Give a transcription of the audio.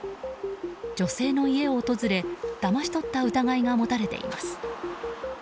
女性の家を訪れ、だまし取った疑いが持たれています。